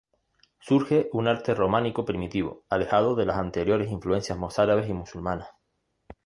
Surge un arte románico primitivo, alejado de las anteriores influencias mozárabes y musulmanas.